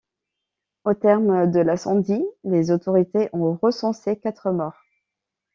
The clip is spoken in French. Au terme de l'incendie les autorités ont recensé quatre morts.